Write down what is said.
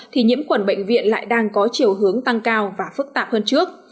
thì nhiễm khuẩn bệnh viện lại đang có chiều hướng tăng cao và phức tạp hơn trước